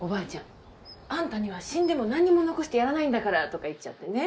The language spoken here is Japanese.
「あんたには死んでも何にも残してやらないんだから」とか言っちゃってね。